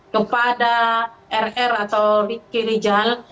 kepada rr atau riki rijal